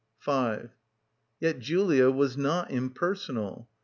5 Yet Julia was not impersonal.